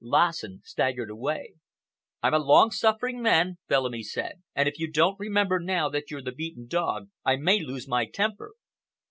Lassen staggered away. "I'm a long suffering man," Bellamy said, "and if you don't remember now that you're the beaten dog, I may lose my temper."